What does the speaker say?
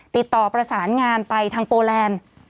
ติดต่อประสานงานไปทางโปแลนด์